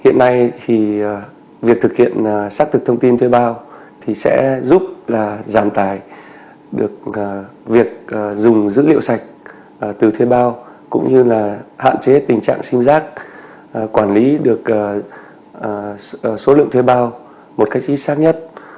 hiện nay thì việc thực hiện xác thực thông tin thuê bao thì sẽ giúp là giảm tài được việc dùng dữ liệu sạch từ thuê bao cũng như là hạn chế tình trạng sim giác quản lý được số lượng thuê bao một cách chính xác nhất